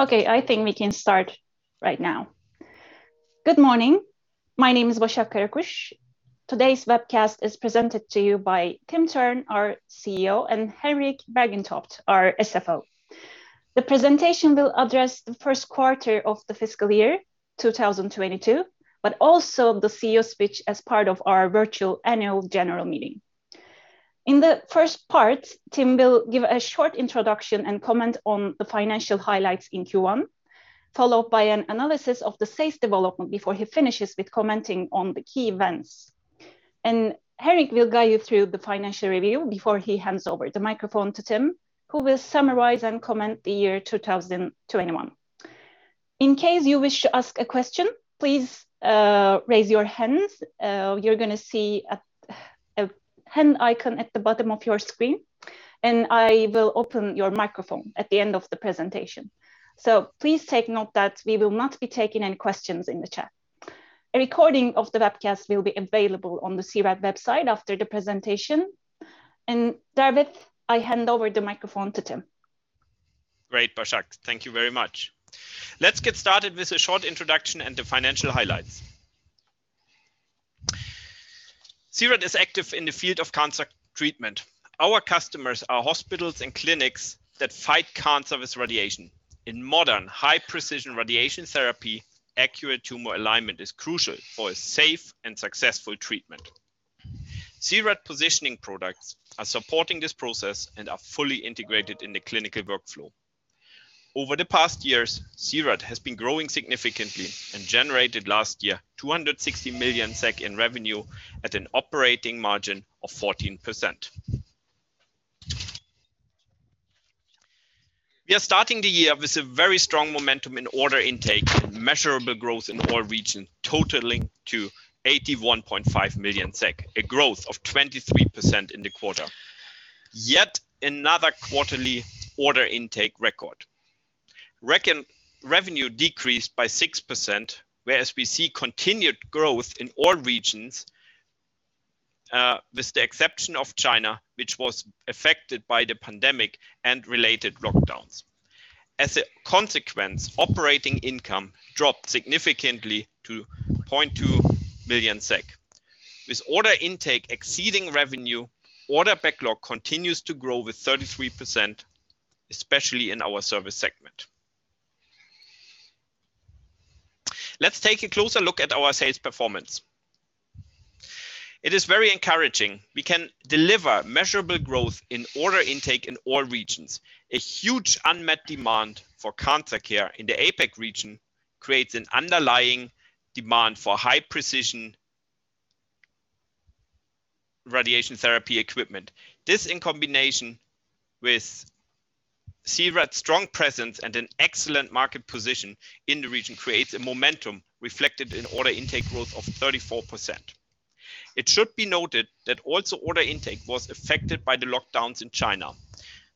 Okay, I think we can start right now. Good morning. My name is Basak Karakus. Today's webcast is presented to you by Tim Thurn, our CEO, and Henrik Bergentoft, our CFO. The presentation will address the Q1 of the FY 2022, but also the CEO speech as part of our virtual annual general meeting. In the first part, Tim will give a short introduction and comment on the financial highlights in Q1, followed by an analysis of the sales development before he finishes with commenting on the key events. Henrik will guide you through the financial review before he hands over the microphone to Tim, who will summarize and comment the year 2021. In case you wish to ask a question, please raise your hands. You're gonna see a hand icon at the bottom of your screen, and I will open your microphone at the end of the presentation. Please take note that we will not be taking any questions in the chat. A recording of the webcast will be available on the C-RAD website after the presentation. With that, I hand over the microphone to Tim. Great, Basak. Thank you very much. Let's get started with a short introduction and the financial highlights. C-RAD is active in the field of cancer treatment. Our customers are hospitals and clinics that fight cancer with radiation. In modern high-precision radiation therapy, accurate tumor alignment is crucial for a safe and successful treatment. C-RAD positioning products are supporting this process and are fully integrated in the clinical workflow. Over the past years, C-RAD has been growing significantly and generated last year 260 million SEK in revenue at an operating margin of 14%. We are starting the year with a very strong momentum in order intake and measurable growth in all regions totaling to 81.5 million SEK, a growth of 23% in the quarter. Yet another quarterly order intake record. Revenue decreased by 6%, whereas we see continued growth in all regions with the exception of China, which was affected by the pandemic and related lockdowns. As a consequence, operating income dropped significantly to 0.2 million SEK. With order intake exceeding revenue, order backlog continues to grow with 33%, especially in our service segment. Let's take a closer look at our sales performance. It is very encouraging. We can deliver measurable growth in order intake in all regions. A huge unmet demand for cancer care in the APAC region creates an underlying demand for high-precision radiation therapy equipment. This in combination with C-RAD's strong presence and an excellent market position in the region creates a momentum reflected in order intake growth of 34%. It should be noted that also order intake was affected by the lockdowns in China,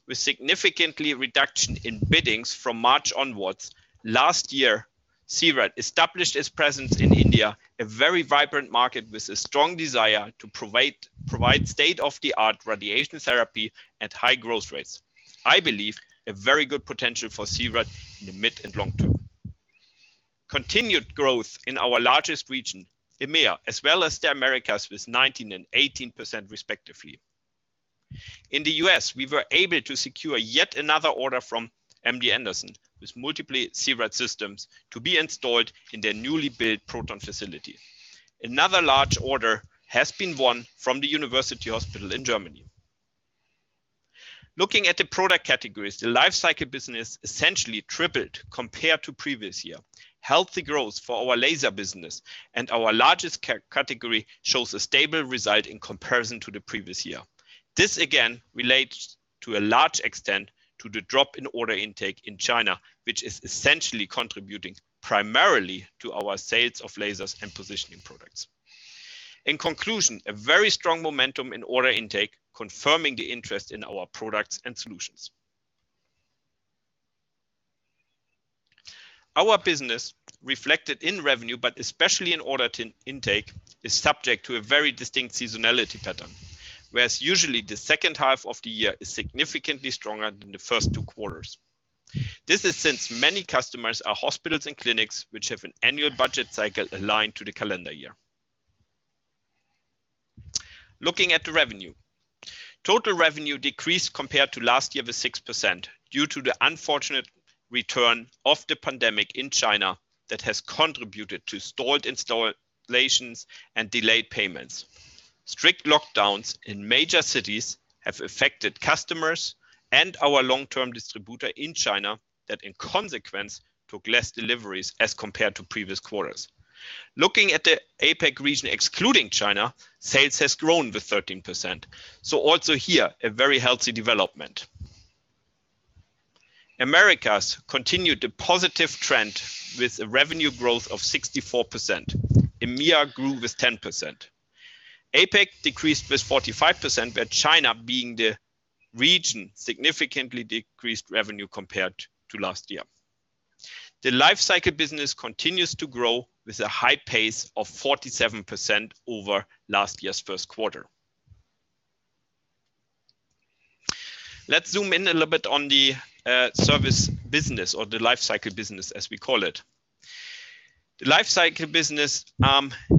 with significant reduction in bidding from March onwards. Last year, C-RAD established its presence in India, a very vibrant market with a strong desire to provide state-of-the-art radiation therapy at high growth rates. I believe a very good potential for C-RAD in the mid and long term. Continued growth in our largest region, EMEA, as well as the Americas, with 19% and 18% respectively. In the U.S., we were able to secure yet another order from MD Anderson with multiple C-RAD systems to be installed in their newly built proton facility. Another large order has been won from the university hospital in Germany. Looking at the product categories, the lifecycle business essentially tripled compared to previous year. Healthy growth for our laser business and our largest category shows a stable result in comparison to the previous year. This again relates to a large extent to the drop in order intake in China, which is essentially contributing primarily to our sales of lasers and positioning products. In conclusion, a very strong momentum in order intake confirming the interest in our products and solutions. Our business reflected in revenue, but especially in order intake, is subject to a very distinct seasonality pattern, whereas usually the H2 of the year is significantly stronger than the first two quarters. This is since many customers are hospitals and clinics which have an annual budget cycle aligned to the calendar year. Looking at the revenue. Total revenue decreased compared to last year with 6% due to the unfortunate return of the pandemic in China that has contributed to stalled installations and delayed payments. Strict lockdowns in major cities have affected customers and our long-term distributor in China that in consequence took less deliveries as compared to previous quarters. Looking at the APAC region, excluding China, sales has grown with 13%, so also here a very healthy development. Americas continued a positive trend with a revenue growth of 64%. EMEA grew with 10%. APAC decreased with 45%, with China being the region significantly decreased revenue compared to last year. The lifecycle business continues to grow with a high pace of 47% over last year's Q1. Let's zoom in a little bit on the service business or the lifecycle business as we call it. The lifecycle business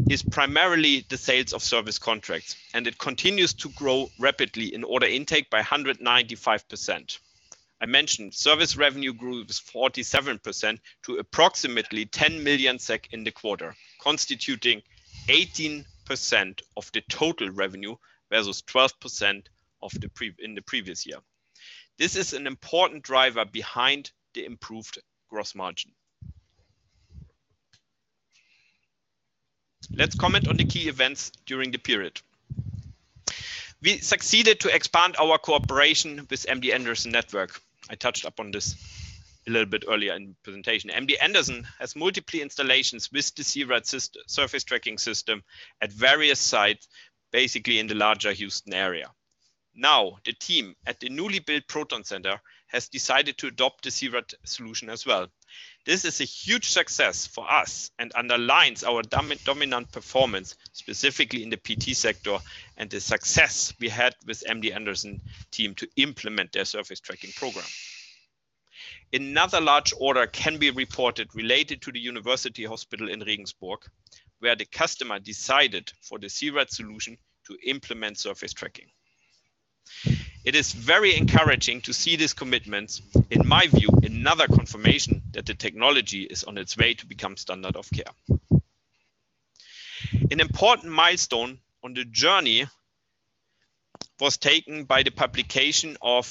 is primarily the sales of service contracts and it continues to grow rapidly in order intake by 195%. I mentioned service revenue grew 47% to approximately 10 million SEK in the quarter, constituting 18% of the total revenue versus 12% in the previous year. This is an important driver behind the improved gross margin. Let's comment on the key events during the period. We succeeded to expand our cooperation with MD Anderson network. I touched upon this a little bit earlier in the presentation. MD Anderson has multiple installations with the C-RAD surface tracking system at various sites, basically in the larger Houston area. Now, the team at the newly built Proton Center has decided to adopt the C-RAD solution as well. This is a huge success for us and underlines our dominant performance, specifically in the PT sector and the success we had with MD Anderson team to implement their surface tracking program. Another large order can be reported related to the university hospital in Regensburg, where the customer decided for the C-RAD solution to implement surface tracking. It is very encouraging to see these commitments, in my view, another confirmation that the technology is on its way to become standard of care. An important milestone on the journey was taken by the publication of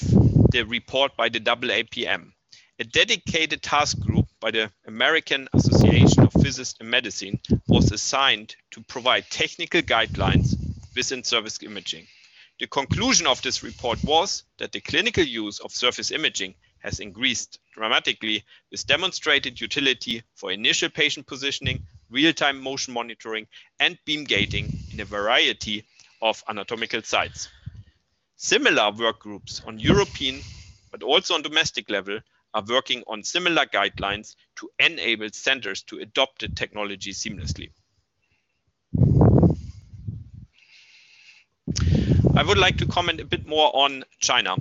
the report by the AAPM. A dedicated task group by the American Association of Physicists in Medicine was assigned to provide technical guidelines within surface imaging. The conclusion of this report was that the clinical use of surface imaging has increased dramatically with demonstrated utility for initial patient positioning, real-time motion monitoring, and beam gating in a variety of anatomical sites. Similar work groups on European but also on domestic level are working on similar guidelines to enable centers to adopt the technology seamlessly. I would like to comment a bit more on China.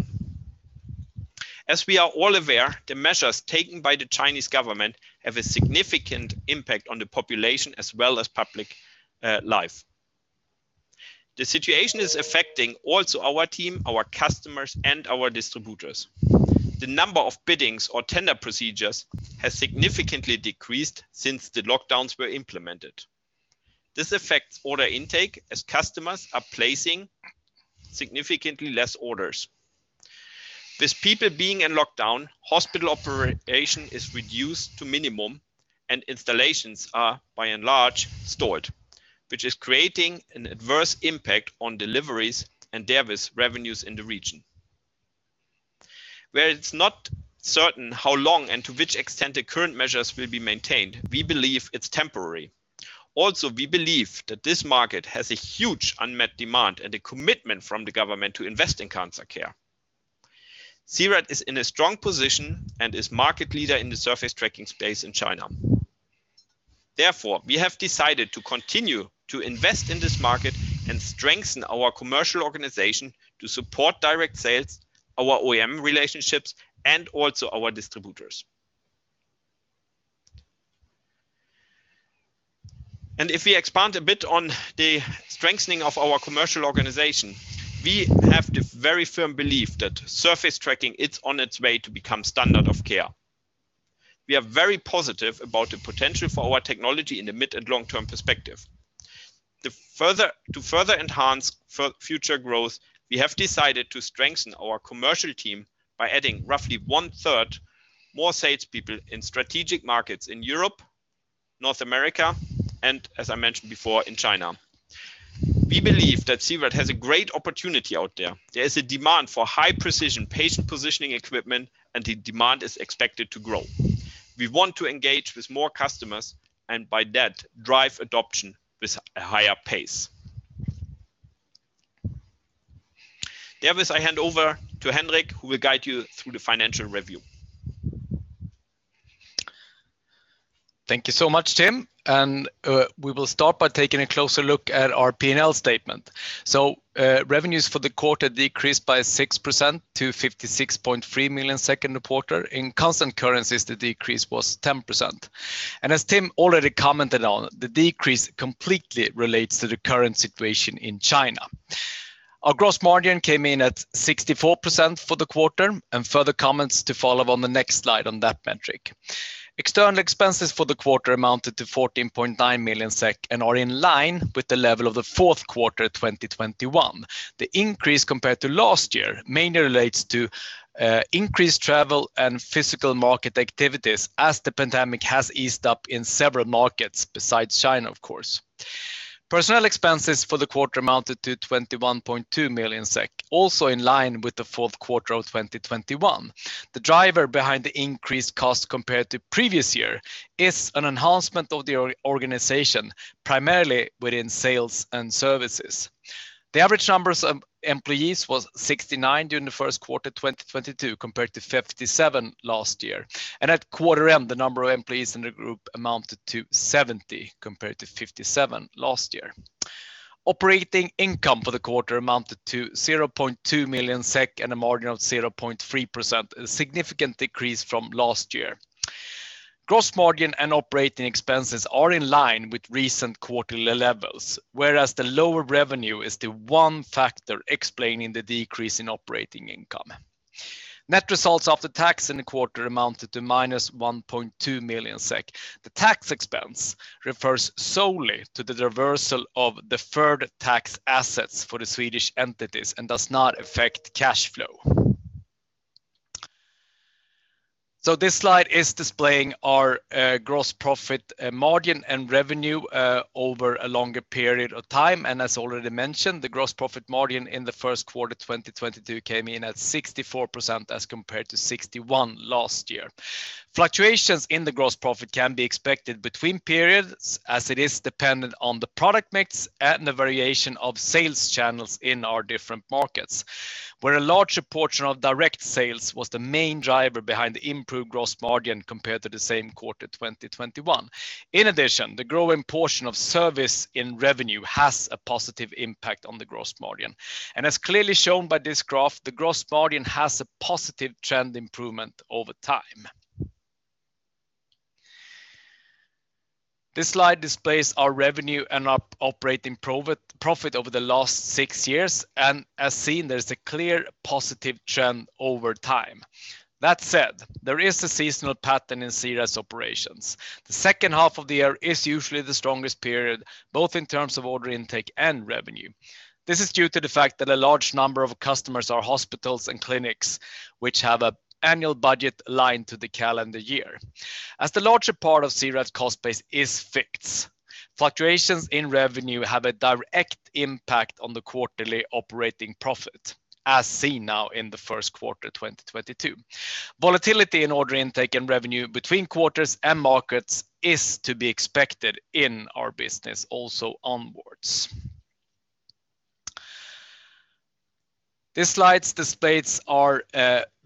As we are all aware, the measures taken by the Chinese government have a significant impact on the population as well as public life. The situation is affecting also our team, our customers, and our distributors. The number of biddings or tender procedures has significantly decreased since the lockdowns were implemented. This affects order intake as customers are placing significantly less orders. With people being in lockdown, hospital operation is reduced to a minimum and installations are, by and large, postponed, which is creating an adverse impact on deliveries and delayed revenues in the region. It's not certain how long and to which extent the current measures will be maintained, but we believe it's temporary. We believe that this market has a huge unmet demand and a commitment from the government to invest in cancer care. C-RAD is in a strong position and is market leader in the surface tracking space in China. Therefore, we have decided to continue to invest in this market and strengthen our commercial organization to support direct sales, our OEM relationships, and also our distributors. If we expand a bit on the strengthening of our commercial organization, we have the very firm belief that surface tracking is on its way to become standard of care. We are very positive about the potential for our technology in the mid and long-term perspective. To further enhance future growth, we have decided to strengthen our commercial team by adding roughly 1/3 more salespeople in strategic markets in Europe, North America, and as I mentioned before, in China. We believe that C-RAD has a great opportunity out there. There is a demand for high-precision patient positioning equipment, and the demand is expected to grow. We want to engage with more customers and by that, drive adoption with a higher pace. Davis, I hand over to Henrik, who will guide you through the financial review. Thank you so much, Tim. We will start by taking a closer look at our P&L statement. Revenues for the quarter decreased by 6% to 56.3 million in the quarter. In constant currencies, the decrease was 10%. As Tim already commented on, the decrease completely relates to the current situation in China. Our gross margin came in at 64% for the quarter, and further comments to follow on the next slide on that metric. External expenses for the quarter amounted to 14.9 million SEK and are in line with the level of the Q4 2021. The increase compared to last year mainly relates to increased travel and physical market activities as the pandemic has eased up in several markets besides China, of course. Personnel expenses for the quarter amounted to 21.2 million SEK, also in line with the Q4 of 2021. The driver behind the increased cost compared to previous year is an enhancement of the organization, primarily within sales and services. The average numbers of employees was 69 during the Q1 2022 compared to 57 last year. At quarter end, the number of employees in the group amounted to 70 compared to 57 last year. Operating income for the quarter amounted to 0.2 million SEK and a margin of 0.3%, a significant decrease from last year. Gross margin and operating expenses are in line with recent quarterly levels, whereas the lower revenue is the one factor explaining the decrease in operating income. Net results after tax in the quarter amounted to -1.2 million SEK. The tax expense refers solely to the reversal of deferred tax assets for the Swedish entities and does not affect cash flow. This slide is displaying our gross profit margin and revenue over a longer period of time. As already mentioned, the gross profit margin in the Q1 2022 came in at 64% as compared to 61% last year. Fluctuations in the gross profit can be expected between periods as it is dependent on the product mix and the variation of sales channels in our different markets, where a larger portion of direct sales was the main driver behind the improved gross margin compared to the same quarter 2021. In addition, the growing portion of service in revenue has a positive impact on the gross margin. As clearly shown by this graph, the gross margin has a positive trend improvement over time. This slide displays our revenue and operating profit over the last six years. As seen, there's a clear positive trend over time. That said, there is a seasonal pattern in C-RAD's operations. The second half of the year is usually the strongest period, both in terms of order intake and revenue. This is due to the fact that a large number of customers are hospitals and clinics, which have an annual budget aligned to the calendar year. As the larger part of C-RAD's cost base is fixed, fluctuations in revenue have a direct impact on the quarterly operating profit, as seen now in the Q1 2022. Volatility in order intake and revenue between quarters and markets is to be expected in our business also onwards. This slide displays our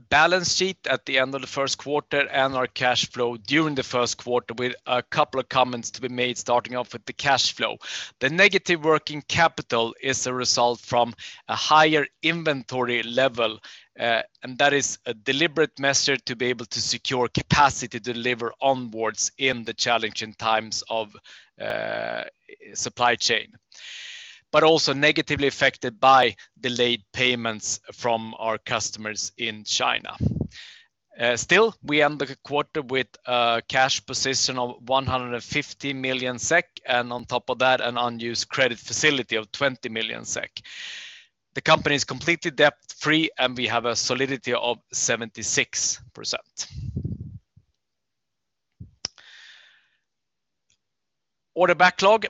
balance sheet at the end of the Q1 and our cash flow during the Q1 with a couple of comments to be made starting off with the cash flow. The negative working capital is a result from a higher inventory level, and that is a deliberate measure to be able to secure capacity to deliver onwards in the challenging times of supply chain. Also negatively affected by delayed payments from our customers in China. Still, we end the quarter with a cash position of 150 million SEK, and on top of that, an unused credit facility of 20 million SEK. The company is completely debt-free, and we have a solidity of 76%. Order backlog.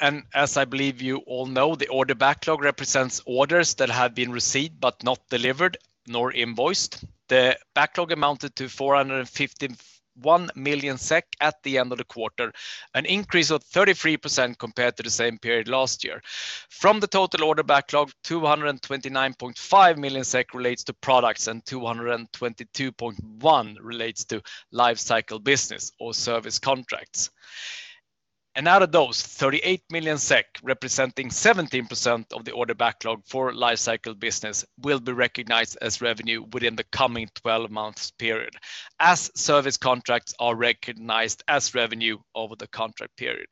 As I believe you all know, the order backlog represents orders that have been received but not delivered nor invoiced. The backlog amounted to 451 million SEK at the end of the quarter, an increase of 33% compared to the same period last year. From the total order backlog, 229.5 million SEK relates to products and 222.1 million relates to life cycle business or service contracts. Out of those, 38 million SEK, representing 17% of the order backlog for life cycle business, will be recognized as revenue within the coming 12 months period, as service contracts are recognized as revenue over the contract period.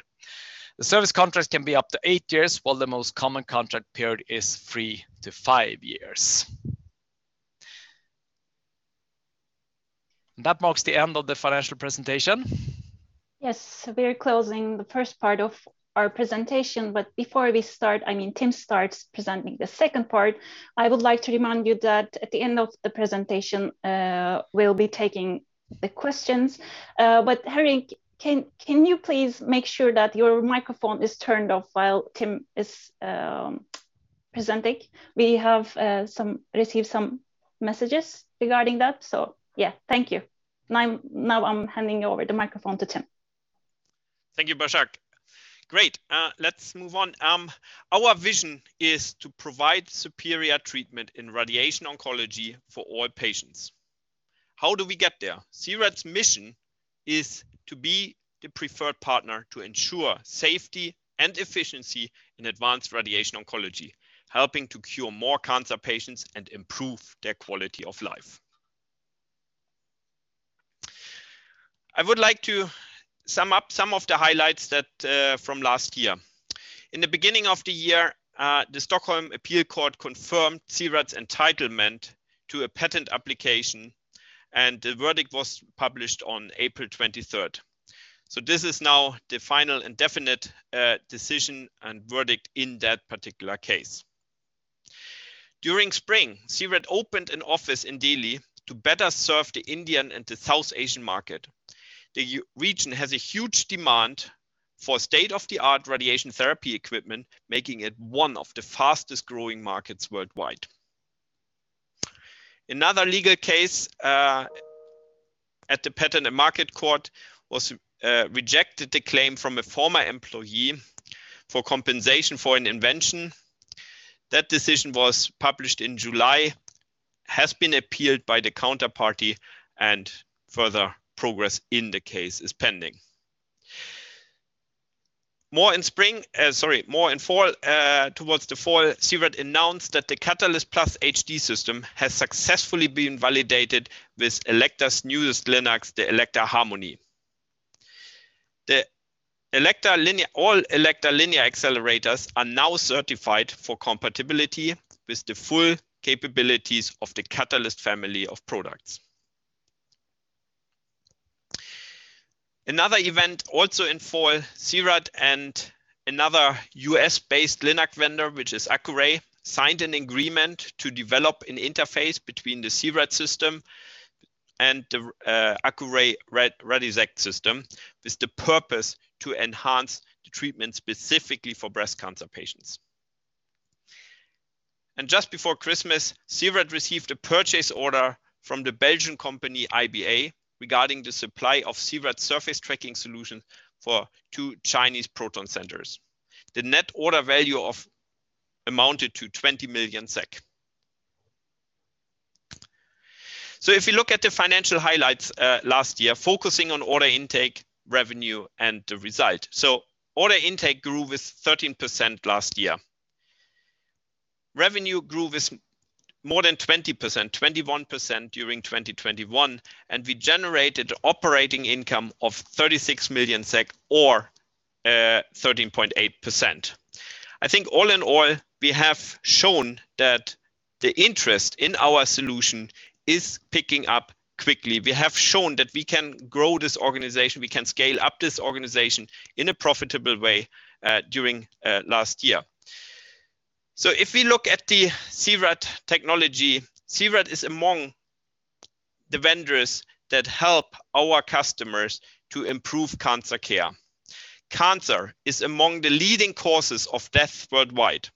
The service contracts can be up to eight years, while the most common contract period is three years-five years. That marks the end of the financial presentation. Yes. We are closing the first part of our presentation, but before we start, I mean, Tim starts presenting the second part, I would like to remind you that at the end of the presentation, we'll be taking the questions. But Harry, can you please make sure that your microphone is turned off while Tim is presenting? We have received some messages regarding that. So yeah, thank you. Now I'm handing over the microphone to Tim. Thank you, Basak. Great. Let's move on. Our vision is to provide superior treatment in radiation oncology for all patients. How do we get there? C-RAD's mission is to be the preferred partner to ensure safety and efficiency in advanced radiation oncology, helping to cure more cancer patients and improve their quality of life. I would like to sum up some of the highlights from last year. In the beginning of the year, the Patent and Market Court of Appeal confirmed C-RAD's entitlement to a patent application, and the verdict was published on April 23. This is now the final and definite decision and verdict in that particular case. During spring, C-RAD opened an office in Delhi to better serve the Indian and the South Asian market. The U.S. region has a huge demand for state-of-the-art radiation therapy equipment, making it one of the fastest-growing markets worldwide. Another legal case at the Patent and Market Court was rejected the claim from a former employee for compensation for an invention That decision was published in July, has been appealed by the counterparty, and further progress in the case is pending. More in fall, towards the fall, C-RAD announced that the Catalyst+ HD system has successfully been validated with Elekta's newest linacs, the Elekta Harmony. All Elekta linear accelerators are now certified for compatibility with the full capabilities of the Catalyst family of products. Another event also in fall, C-RAD and another US-based linac vendor, which is Accuray, signed an agreement to develop an interface between the C-RAD system and the Accuray Radixact system with the purpose to enhance the treatment specifically for breast cancer patients. Just before Christmas, C-RAD received a purchase order from the Belgian company IBA regarding the supply of C-RAD's surface tracking solution for two Chinese proton centers. The net order value amounted to SEK 20 million. If you look at the financial highlights, last year, focusing on order intake, revenue, and the result. Order intake grew with 13% last year. Revenue grew with more than 20%, 21% during 2021, and we generated operating income of 36 million SEK or 13.8%. I think all in all, we have shown that the interest in our solution is picking up quickly. We have shown that we can grow this organization, we can scale up this organization in a profitable way, during last year. If we look at the C-RAD technology, C-RAD is among the vendors that help our customers to improve cancer care. Cancer is among the leading causes of death worldwide.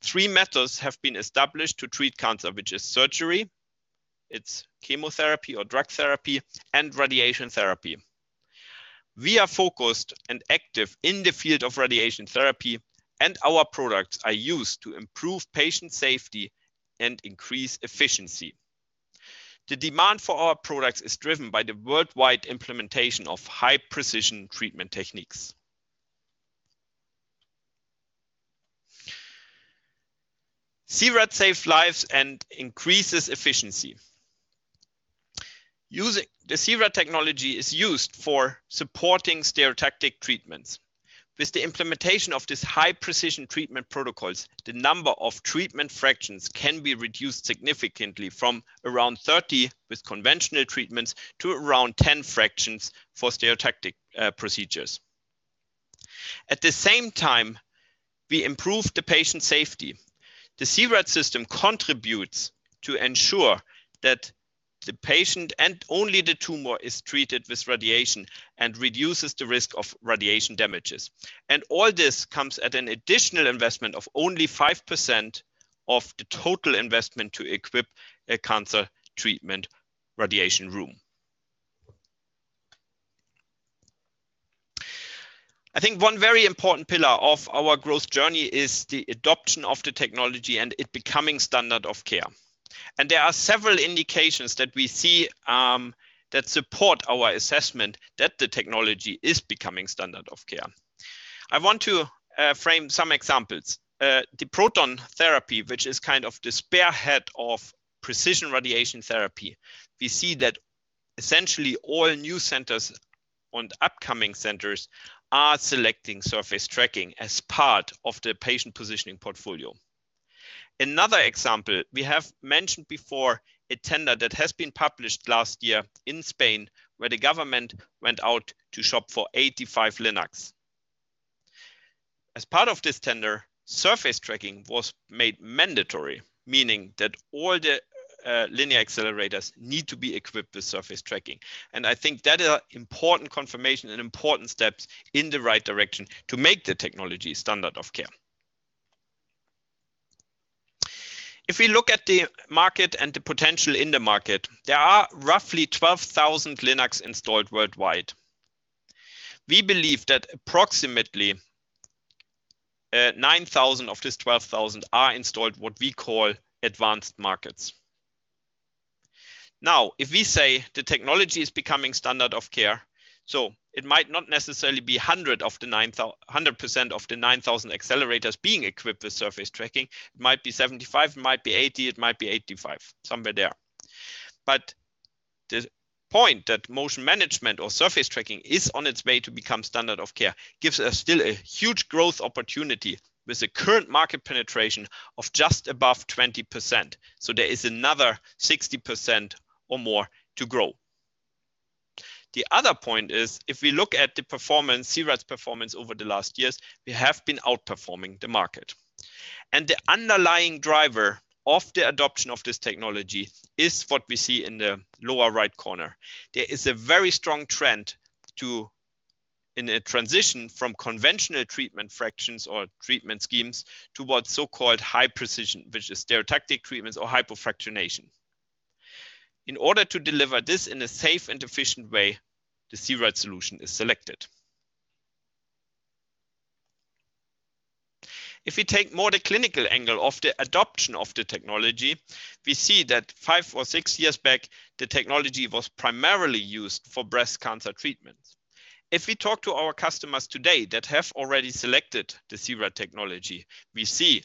Three methods have been established to treat cancer, which is surgery, it's chemotherapy or drug therapy, and radiation therapy. We are focused and active in the field of radiation therapy, and our products are used to improve patient safety and increase efficiency. The demand for our products is driven by the worldwide implementation of high-precision treatment techniques. C-RAD saves lives and increases efficiency. The C-RAD technology is used for supporting stereotactic treatments. With the implementation of this high-precision treatment protocols, the number of treatment fractions can be reduced significantly from around 30 with conventional treatments to around 10 fractions for stereotactic procedures. At the same time, we improve the patient safety. The C-RAD system contributes to ensure that the patient and only the tumor is treated with radiation and reduces the risk of radiation damages. All this comes at an additional investment of only 5% of the total investment to equip a cancer treatment radiation room. I think one very important pillar of our growth journey is the adoption of the technology and it becoming standard of care. There are several indications that we see that support our assessment that the technology is becoming standard of care. I want to frame some examples. The proton therapy, which is kind of the spearhead of precision radiation therapy, we see that essentially all new centers and upcoming centers are selecting surface tracking as part of their patient positioning portfolio. Another example, we have mentioned before a tender that has been published last year in Spain, where the government went out to shop for 85 linacs. As part of this tender, surface tracking was made mandatory, meaning that all the linear accelerators need to be equipped with surface tracking. I think that are important confirmation and important steps in the right direction to make the technology standard of care. If we look at the market and the potential in the market, there are roughly 12,000 linacs installed worldwide. We believe that approximately 9,000 linacs of this 12,000 linacs are installed what we call advanced markets. Now, if we say the technology is becoming standard of care, so it might not necessarily be 100% of the 9,000 accelerators being equipped with surface tracking. It might be 75%, it might be 80%, it might be 85%, somewhere there. The point that motion management or surface tracking is on its way to become standard of care gives us still a huge growth opportunity with the current market penetration of just above 20%. There is another 60% or more to grow. The other point is, if we look at the performance, C-RAD's performance over the last years, we have been outperforming the market. The underlying driver of the adoption of this technology is what we see in the lower right corner. There is a very strong trend in a transition from conventional treatment fractions or treatment schemes towards so-called high precision, which is stereotactic treatments or hypofractionation. In order to deliver this in a safe and efficient way, the C-RAD solution is selected. If we take more the clinical angle of the adoption of the technology, we see that five or six years back, the technology was primarily used for breast cancer treatments. If we talk to our customers today that have already selected the C-RAD technology, we see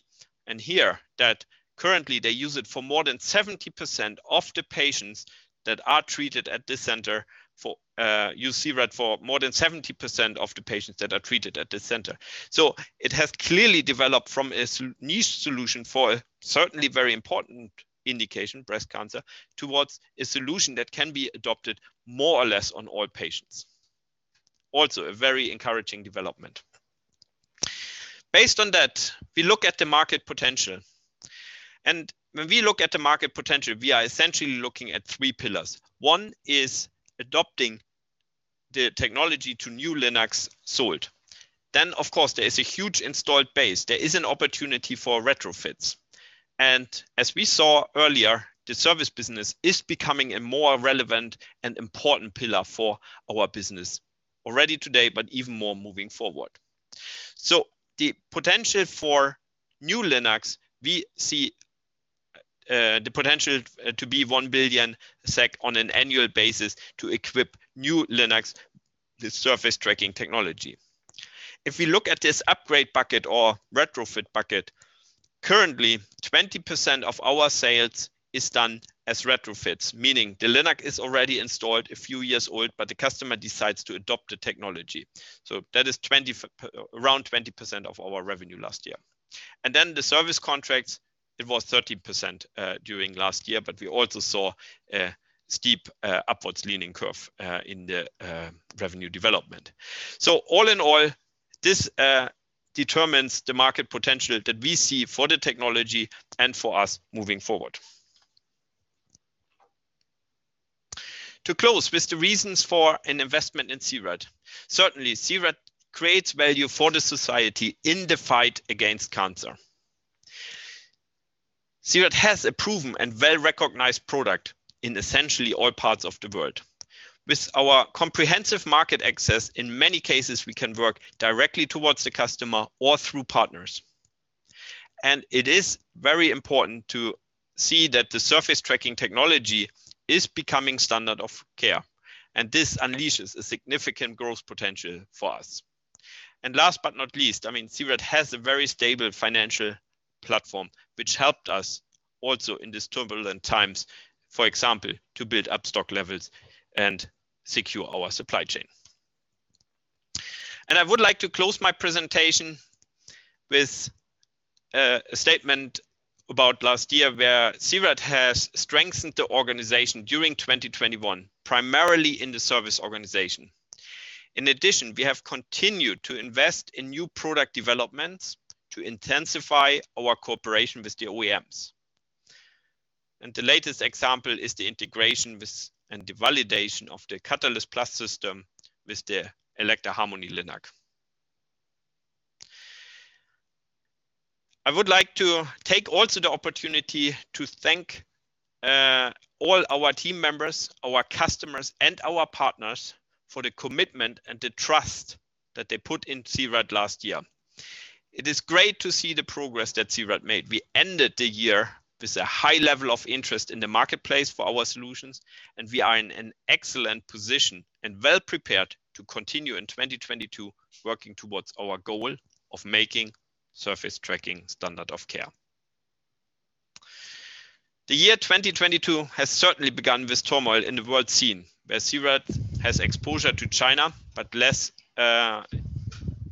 and hear that currently they use it for more than 70% of the patients that are treated at the center. It has clearly developed from a niche solution for certainly very important indication, breast cancer, towards a solution that can be adopted more or less on all patients. Also a very encouraging development. Based on that, we look at the market potential. When we look at the market potential, we are essentially looking at three pillars. One is adopting the technology to new linacs sold. Of course, there is a huge installed base, there is an opportunity for retrofits. As we saw earlier, the service business is becoming a more relevant and important pillar for our business already today, but even more moving forward. The potential for new linacs, we see, the potential to be 1 billion SEK on an annual basis to equip new linacs with surface tracking technology. If we look at this upgrade bucket or retrofit bucket, currently 20% of our sales is done as retrofits, meaning the linac is already installed, a few years old, but the customer decides to adopt the technology. That is twenty f-- around 20% of our revenue last year. Then the service contracts, it was 13% during last year, but we also saw a steep upward leaning curve in the revenue development. All in all, this determines the market potential that we see for the technology and for us moving forward. To close with the reasons for an investment in C-RAD. Certainly, C-RAD creates value for the society in the fight against cancer. C-RAD has a proven and well-recognized product in essentially all parts of the world. With our comprehensive market access, in many cases, we can work directly toward the customer or through partners. It is very important to see that the surface tracking technology is becoming standard of care, and this unleashes a significant growth potential for us. Last but not least, I mean, C-RAD has a very stable financial platform, which helped us also in these turbulent times, for example, to build up stock levels and secure our supply chain. I would like to close my presentation with a statement about last year where C-RAD has strengthened the organization during 2021, primarily in the service organization. In addition, we have continued to invest in new product developments to intensify our cooperation with the OEMs. The latest example is the integration with and the validation of the Catalyst+ system with the Elekta Harmony linac. I would like to take also the opportunity to thank all our team members, our customers, and our partners for the commitment and the trust that they put in C-RAD last year. It is great to see the progress that C-RAD made. We ended the year with a high level of interest in the marketplace for our solutions, and we are in an excellent position and well prepared to continue in 2022 working towards our goal of making surface tracking standard of care. The year 2022 has certainly begun with turmoil in the world scene, where C-RAD has exposure to China, but less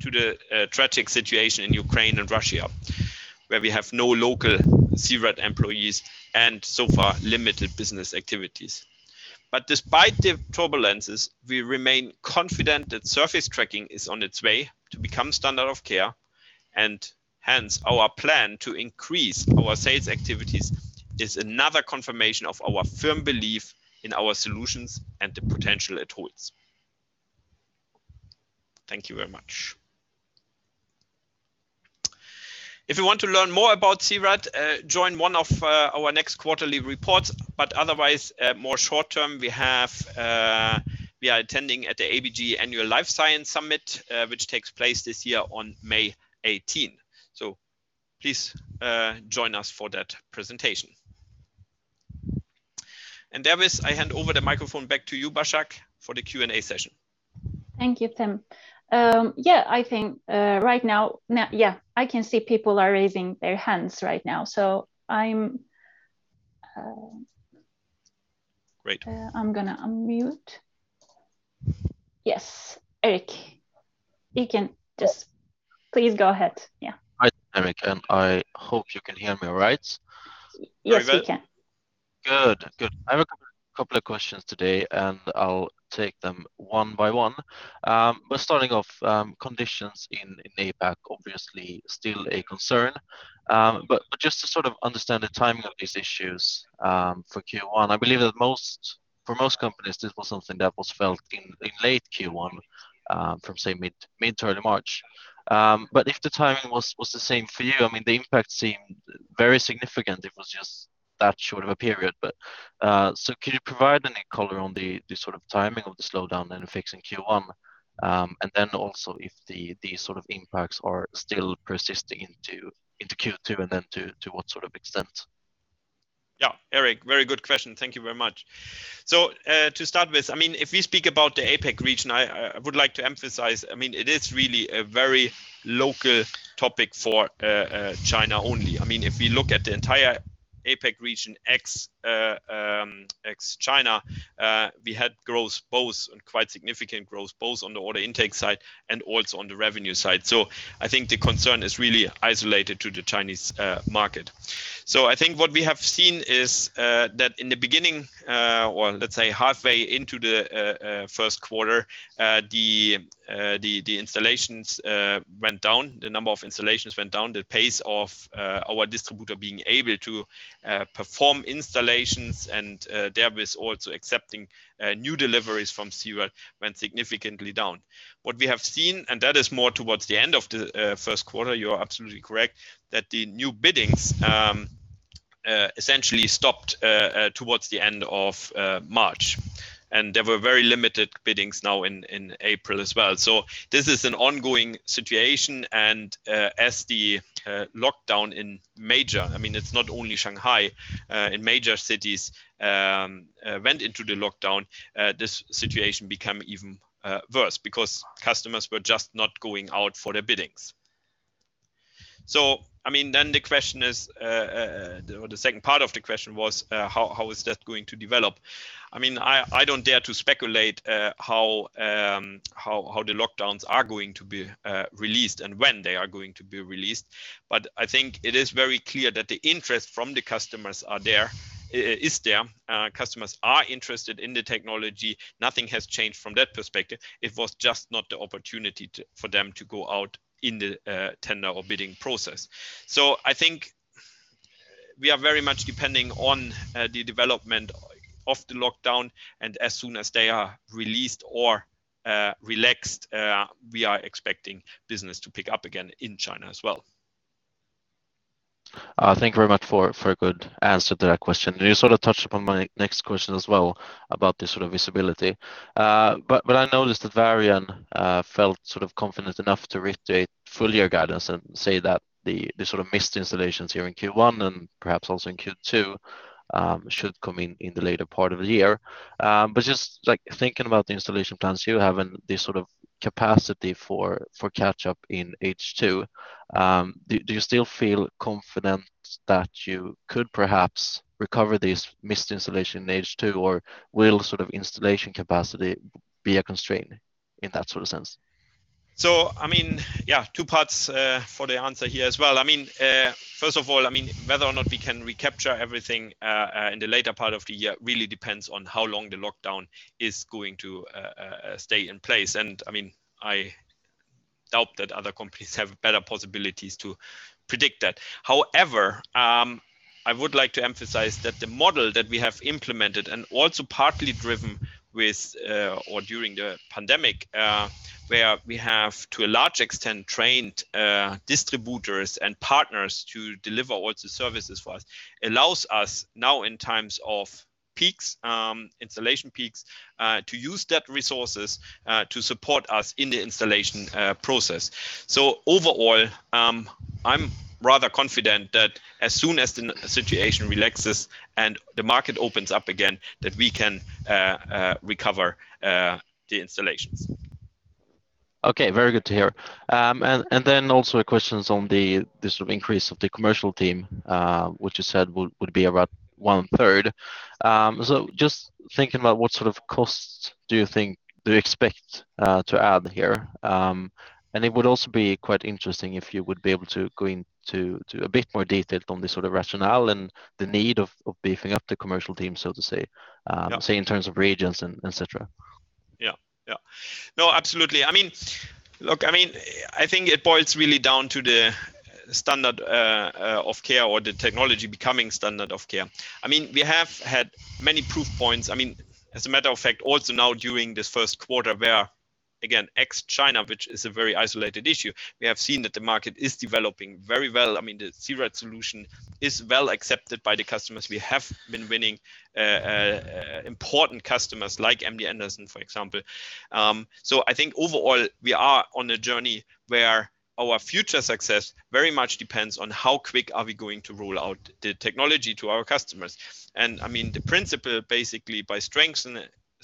to the tragic situation in Ukraine and Russia, where we have no local C-RAD employees and so far limited business activities. Despite the turbulences, we remain confident that surface tracking is on its way to become standard of care, and hence our plan to increase our sales activities is another confirmation of our firm belief in our solutions and the potential it holds. Thank you very much. If you want to learn more about C-RAD, join one of our next quarterly reports, but otherwise, more short term, we are attending the ABG Sundal Collier Life Science Summit, which takes place this year on May 18. Please join us for that presentation. With that, I hand over the microphone back to you, Basak, for the Q&A session. Thank you, Tim. Yeah, I think now, yeah, I can see people are raising their hands right now. I'm Great. I'm gonna unmute. Yes, Erik. Please go ahead. Yeah. Hi, Tim. Again, I hope you can hear me all right. Yes, we can. Very good. Good. I have a couple of questions today, and I'll take them one by one. Starting off, conditions in APAC obviously still a concern. Just to sort of understand the timing of these issues, for Q1, I believe that for most companies, this was something that was felt in late Q1, from say mid to early March. If the timing was the same for you, I mean, the impact seemed very significant. It was just that short of a period. Could you provide any color on the sort of timing of the slowdown and effects in Q1? If these sort of impacts are still persisting into Q2, to what sort of extent? Yeah, Erik, very good question. Thank you very much. To start with, I mean, if we speak about the APAC region, I would like to emphasize, I mean, it is really a very local topic for China only. I mean, if we look at the entire APAC region ex-China, we had growth both, and quite significant growth both on the order intake side and also on the revenue side. I think the concern is really isolated to the Chinese market. I think what we have seen is that in the beginning, or let's say halfway into the Q1, the installations went down, the number of installations went down, the pace of our distributor being able to perform installations and thereby also accepting new deliveries from C-RAD went significantly down. What we have seen, that is more towards the end of the Q1, you are absolutely correct, that the new biddings essentially stopped towards the end of March. There were very limited biddings now in April as well. This is an ongoing situation. As the lockdown in major cities, I mean it's not only Shanghai, went into the lockdown, this situation become even worse because customers were just not going out for their biddings. I mean, then the question is, the second part of the question was, how is that going to develop? I mean, I don't dare to speculate, how the lockdowns are going to be released and when they are going to be released. I think it is very clear that the interest from the customers are there, is there, customers are interested in the technology. Nothing has changed from that perspective. It was just not the opportunity to, for them to go out in the tender or bidding process. I think we are very much depending on the development of the lockdown and as soon as they are released or relaxed, we are expecting business to pick up again in China as well. Thank you very much for a good answer to that question. You sort of touched upon my next question as well about the sort of visibility. I noticed that Varian felt sort of confident enough to reiterate full-year guidance and say that the sort of missed installations here in Q1 and perhaps also in Q2 should come in the later part of the year. Just like thinking about the installation plans you have and the sort of capacity for catch-up in H2, do you still feel confident that you could perhaps recover these missed installations in H2, or will sort of installation capacity be a constraint in that sort of sense? I mean, yeah, two parts for the answer here as well. I mean, first of all, I mean, whether or not we can recapture everything in the later part of the year really depends on how long the lockdown is going to stay in place. I mean, I doubt that other companies have better possibilities to predict that. However, I would like to emphasize that the model that we have implemented and also partly driven with or during the pandemic, where we have, to a large extent, trained distributors and partners to deliver all the services for us, allows us now in times of peaks, installation peaks, to use that resources to support us in the installation process. Overall, I'm rather confident that as soon as the situation relaxes and the market opens up again, that we can recover the installations. Okay. Very good to hear. Also questions on the sort of increase of the commercial team, which you said would be about 1/3. Just thinking about what sort of costs do you expect to add here? It would also be quite interesting if you would be able to go into a bit more detail on the sort of rationale and the need of beefing up the commercial team, so to say in terms of regions and et cetera. Yeah. Yeah. No, absolutely. I mean, look, I mean, I think it boils really down to the standard of care or the technology becoming standard of care. I mean, we have had many proof points. I mean, as a matter of fact, also now during this first quarter, where, again, ex-China, which is a very isolated issue, we have seen that the market is developing very well. I mean, the C-RAD solution is well accepted by the customers. We have been winning important customers like MD Anderson, for example. So I think overall, we are on a journey where our future success very much depends on how quick are we going to roll out the technology to our customers. I mean, the principle basically by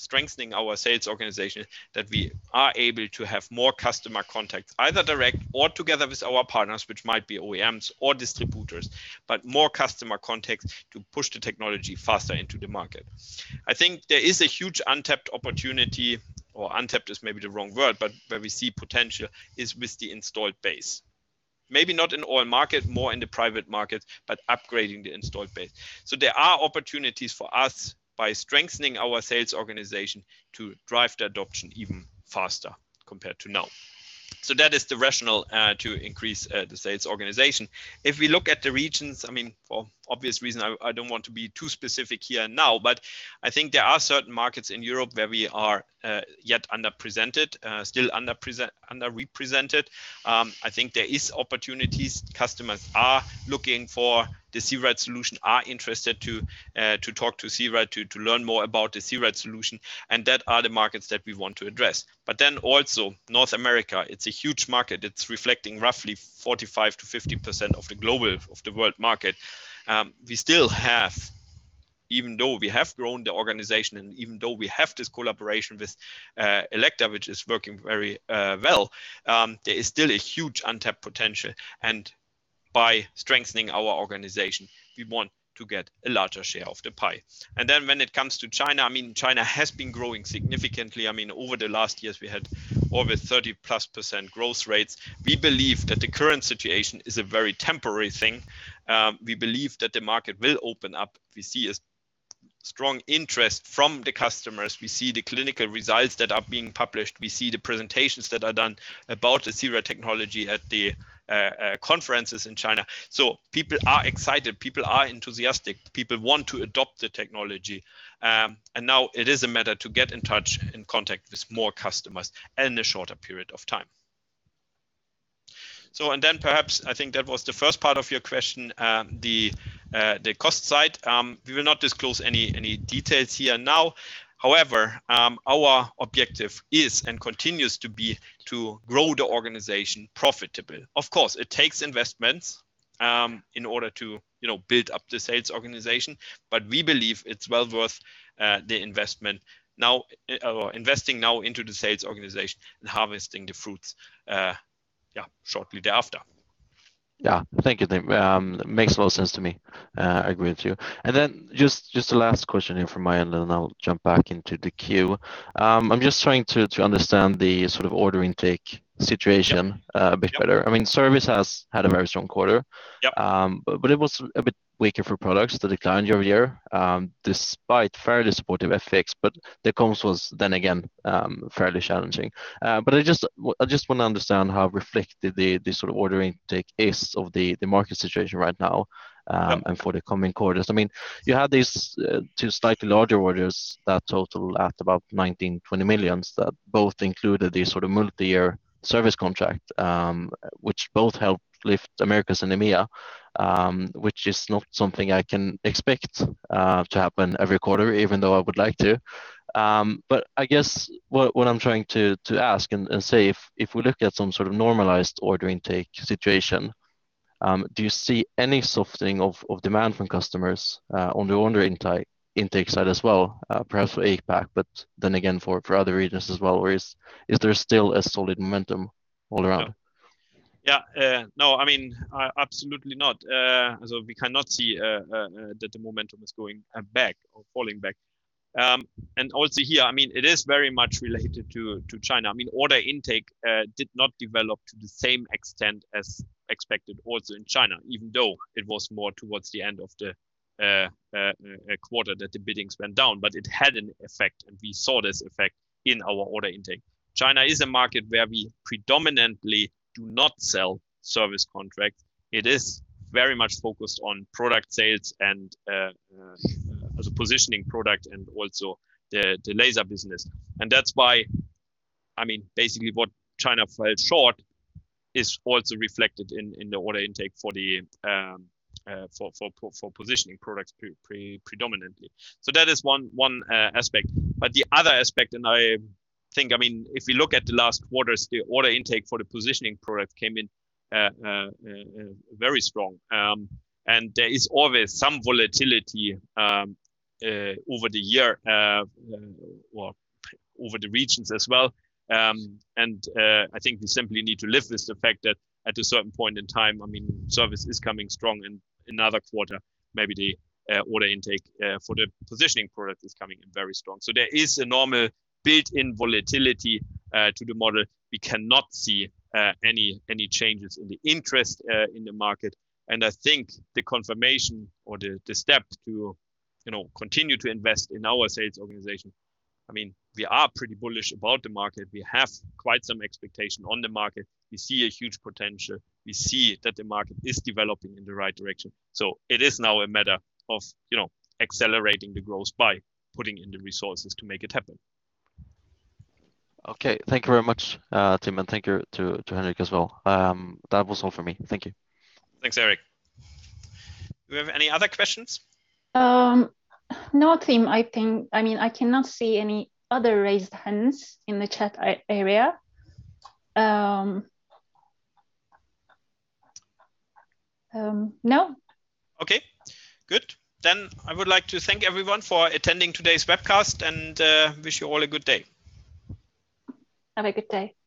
strengthening our sales organization, that we are able to have more customer contacts, either direct or together with our partners, which might be OEMs or distributors, but more customer contacts to push the technology faster into the market. I think there is a huge untapped opportunity, or untapped is maybe the wrong word, but where we see potential is with the installed base. Maybe not in all market, more in the private market, but upgrading the installed base. There are opportunities for us by strengthening our sales organization to drive the adoption even faster compared to now. That is the rationale to increase the sales organization. If we look at the regions, I mean, for obvious reasons, I don't want to be too specific here now, but I think there are certain markets in Europe where we are under-represented. I think there are opportunities. Customers are looking for the C-RAD solution, are interested to talk to C-RAD, to learn more about the C-RAD solution, and that are the markets that we want to address. North America, it's a huge market. It's reflecting roughly 45%-50% of the world market. We still have even though we have grown the organization, and even though we have this collaboration with Elekta, which is working very well, there is still a huge untapped potential. By strengthening our organization, we want to get a larger share of the pie. When it comes to China, I mean, China has been growing significantly. I mean, over the last years we had over 30+% growth rates. We believe that the current situation is a very temporary thing. We believe that the market will open up. We see a strong interest from the customers. We see the clinical results that are being published. We see the presentations that are done about the Sentinel technology at the conferences in China. People are excited, people are enthusiastic, people want to adopt the technology. Now it is a matter to get in touch, in contact with more customers in a shorter period of time. Perhaps I think that was the first part of your question, the cost side. We will not disclose any details here now. However, our objective is and continues to be to grow the organization profitably. Of course, it takes investments in order to, you know, build up the sales organization. We believe it's well worth the investment now, investing now into the sales organization and harvesting the fruits shortly thereafter. Yeah. Thank you, Tim. Makes a lot of sense to me. I agree with you. Then just the last question here from my end, and then I'll jump back into the queue. I'm just trying to understand the sort of order intake situation. Yeah. A bit better. I mean, service has had a very strong quarter. Yep. It was a bit weaker for products. It's the decline year-over-year, despite fairly supportive FX. The comps was then again, fairly challenging. I just wanna understand how reflected the sort of order intake is of the market situation right now. Yeah. For the coming quarters. I mean, you have these two slightly larger orders that total about 19 million-20 million. That both included the sort of multi-year service contract, which both helped lift Americas and EMEA, which is not something I can expect to happen every quarter, even though I would like to. I guess what I'm trying to ask and say, if we look at some sort of normalized order intake situation, do you see any softening of demand from customers on the order intake side as well? Perhaps for APAC, but then again for other regions as well, or is there still a solid momentum all around? Yeah. Yeah. No, I mean, absolutely not. We cannot see that the momentum is going back or falling back. Here, I mean, it is very much related to China. I mean, order intake did not develop to the same extent as expected also in China, even though it was more towards the end of the quarter that the biddings went down. It had an effect, and we saw this effect in our order intake. China is a market where we predominantly do not sell service contracts. It is very much focused on product sales and as a positioning product and also the laser business. That's why, I mean, basically what China fell short is also reflected in the order intake for positioning products predominantly. That is one aspect. The other aspect, and I think, I mean, if you look at the last quarters, the order intake for the positioning product came in very strong. And there is always some volatility over the year or over the regions as well. I think we simply need to lift this effect at a certain point in time. I mean, service is coming strong in another quarter, maybe the order intake for the positioning product is coming in very strong. There is a normal built-in volatility to the model. We cannot see any changes in the interest in the market. I think the confirmation or the step to, you know, continue to invest in our sales organization. I mean, we are pretty bullish about the market. We have quite some expectation on the market. We see a huge potential. We see that the market is developing in the right direction. It is now a matter of, you know, accelerating the growth by putting in the resources to make it happen. Okay. Thank you very much, Tim, and thank you to Henrik as well. That was all for me. Thank you. Thanks, Erik. Do we have any other questions? No, Tim, I mean, I cannot see any other raised hands in the chat area. No. Okay, good. I would like to thank everyone for attending today's webcast and wish you all a good day. Have a good day. Bye.